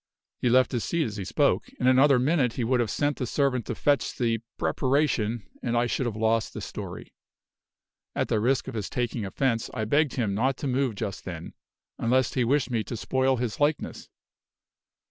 He left his seat as he spoke. In another minute he would have sent the servant to fetch the "preparation," and I should have lost the story. At the risk of his taking offense, I begged him not to move just then, unless he wished me to spoil his likeness.